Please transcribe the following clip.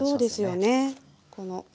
そうですよね。